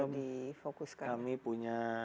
difokuskan kami punya